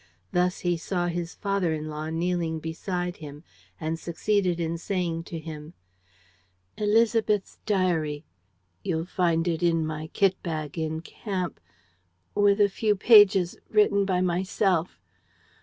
Thus he saw his father in law kneeling beside him and succeeded in saying to him: "Élisabeth's diary. ... You'll find it in my kit bag in camp ... with a few pages written by myself